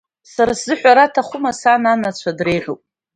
Сара сзы, ҳәара аҭахума, сан анацәа дреиӷьуп.